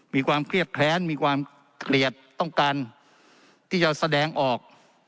มีความเครียดแค้นมีความเกลียดต้องการที่จะแสดงออก